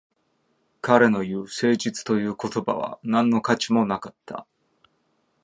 彼の言う誠実という言葉は何の価値もなかった